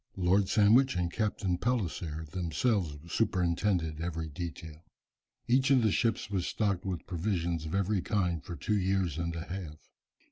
Lord Sandwich and Captain Palliser themselves superintended every detail. Each of the ships was stocked with provisions of every kind for two years and a half.